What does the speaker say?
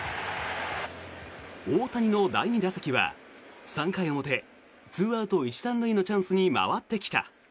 大谷の第２打席は３回表２アウト１・３塁のチャンスに回ってきた。